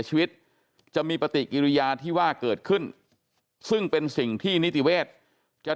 ชีวิตจะมีปฏิกิริยาที่ว่าเกิดขึ้นซึ่งเป็นสิ่งที่นิติเวศจะ